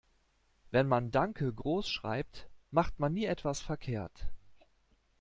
Wenn man "Danke" groß schreibt, macht man nie etwas verkehrt.